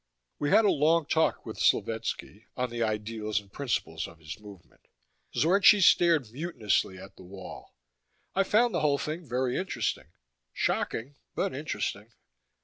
We had a long talk with Slovetski, on the ideals and principles of his movement. Zorchi stared mutinously at the wall. I found the whole thing very interesting shocking, but interesting.